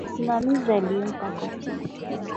msimamizi alimpa koti lake la maisha